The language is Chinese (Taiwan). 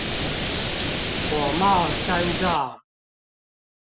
火冒三丈